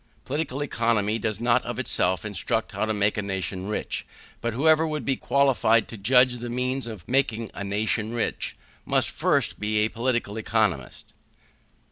Political Economy does not of itself instruct how to make a nation rich; but whoever would be qualified to judge of the means of making a nation rich, must first be a political economist.